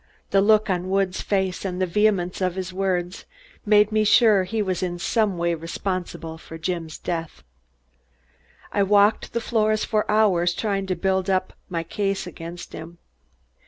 The look on Woods' face and the vehemence of his words made me sure he was in some way responsible for Jim's death. I walked the floor for hours trying to build up my case against him.